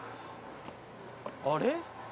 あれ？